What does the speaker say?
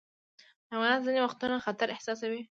حیوانات ځینې وختونه خطر احساسوي.